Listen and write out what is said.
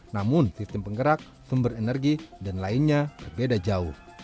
namun sistem penggerak sumber energi dan lainnya berbeda jauh